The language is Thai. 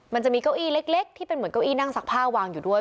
มันจะมีเก้าอี้เล็กที่เป็นเหมือนเก้าอี้นั่งซักผ้าวางอยู่ด้วย